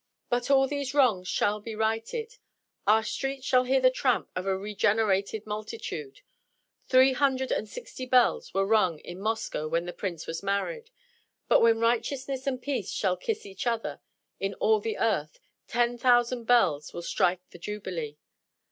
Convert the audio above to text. But all these wrongs shall be righted. Our streets shall hear the tramp of a regenerated multitude. Three hundred and sixty bells were rung in Moscow when the prince was married; but when righteousness and peace shall "kiss each other" in all the earth, ten thousand bells will strike the jubilee.